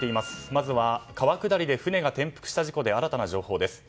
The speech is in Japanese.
まずは川下りで舟が転覆した事故で新たな情報です。